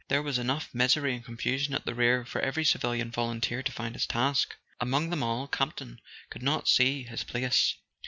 There was enough misery and confusion at the rear for every civilian volunteer to find his task. Among them all, Campton could not see his place.